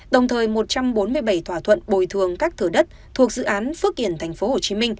đồng thời một trăm bốn mươi bảy thỏa thuận bồi thường các thửa đất thuộc dự án phước kiển tp hcm